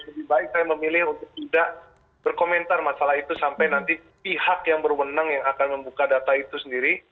jadi lebih baik saya memilih untuk tidak berkomentar masalah itu sampai nanti pihak yang berwenang yang akan membuka data itu sendiri